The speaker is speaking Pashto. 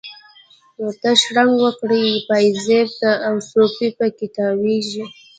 ته شرنګ ورکړي پایزیب ته، او صوفي په کې تاویږي